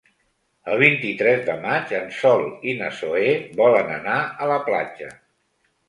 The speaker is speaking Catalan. El vint-i-tres de maig en Sol i na Zoè volen anar a la platja.